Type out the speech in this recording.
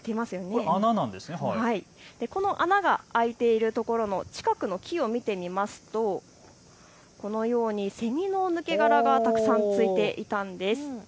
この穴が開いている所の近くの木を見てみると、このようにセミの抜け殻がたくさん付いていたんです。